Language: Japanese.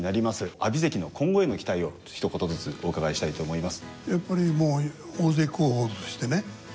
阿炎関の今後への期待をひと言ずつお伺いしたいと思います。